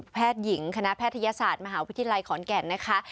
หญิงคณะแพทยศาสตร์มหาวิทยาลัยขอนแก่นนะคะ